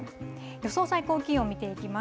予想最高気温見ていきます。